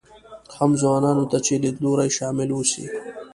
هم ځوانانو ته چې لیدلوري شامل اوسي.